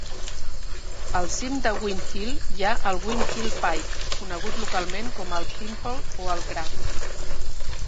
Al cim de Win Hill hi ha el Win Hill Pike, conegut localment com el "pimple" o el "gra".